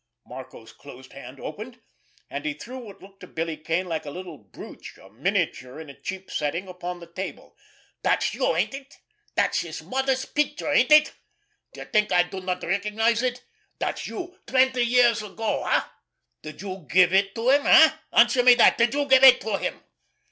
Marco's closed hand opened, and he threw what looked to Billy Kane like a little brooch, a miniature in a cheap setting, upon the table. "That's you, ain't it? That's his mother's picture, ain't it? Do you think I do not recognize it? That's you twenty years ago—eh? Did you give it to him—eh? Answer me that—did you give it to him?"